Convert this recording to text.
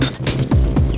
wah keren banget